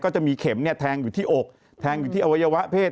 จะมีเข็มเนี่ยแทงอยู่ที่อกแทงอยู่ที่อวัยวะเพศ